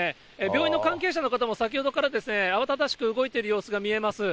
病院の関係者の方も先ほどから慌ただしく動いている様子が見えます。